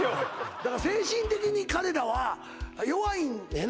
だから精神的に彼らは弱いんやな